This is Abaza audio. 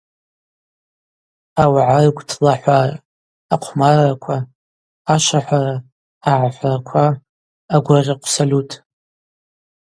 Ауагӏа ргвтлахӏвара: ахъвмарраква, ашвахӏвара, агӏахӏвраква, агвыргъьахъв салют.